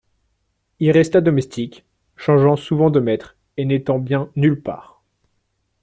Il resta domestique, changeant souvent de maître et n'étant bien nulle part.